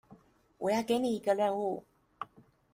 我要給你一個任務